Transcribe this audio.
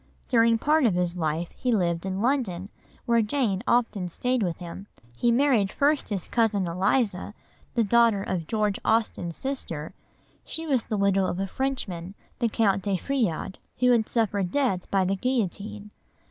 During part of his life he lived in London, where Jane often stayed with him. He married first his cousin Eliza, the daughter of George Austen's sister; she was the widow of a Frenchman, the Count de Feuillade, who had suffered death by the guillotine.